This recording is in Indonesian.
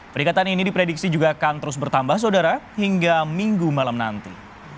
peringatan ini diprediksi juga akan terus bertambah saudara hingga minggu malam nanti